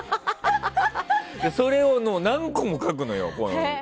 それを何個も書くのよ、ここに。